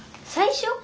最初？